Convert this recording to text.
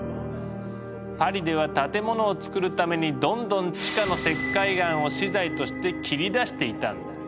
パリでは建物をつくるためにどんどん地下の石灰岩を資材として切り出していたんだ。